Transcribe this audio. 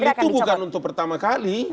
kalau rizafel itu bukan untuk pertama kali